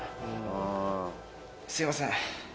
すみません。